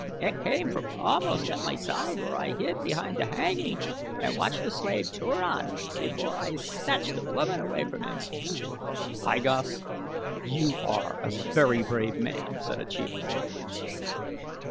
It came from almost at my side where I hid behind the hangings and watched the slave Turan before I snatched the woman away from him." "I Gos, you are a very brave man," said a chieftain.